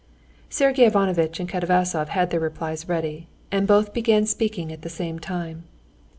Sergey Ivanovitch and Katavasov had their replies ready, and both began speaking at the same time.